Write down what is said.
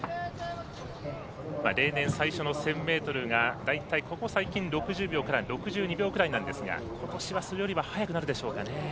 例年最初の１０００ｍが６０秒から６２秒ぐらいなんですがことしはそれよりは早くなるでしょうか。